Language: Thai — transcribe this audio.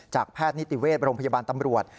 แพทย์นิติเวชโรงพยาบาลตำรวจ